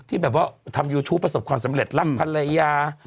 ที่แบบว่าทำยูทูปประสบความสำเร็จรักภรรยา